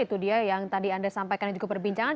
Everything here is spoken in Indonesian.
itu dia yang tadi anda sampaikan